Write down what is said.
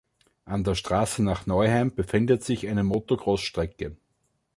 An der Straße nach Neuheim befindet sich eine Motocross-Strecke.